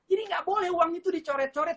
ini nggak boleh uang itu dicoret coret